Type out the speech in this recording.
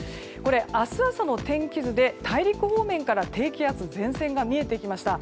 明日朝の天気図で大陸方面から低気圧前線が見えてきました。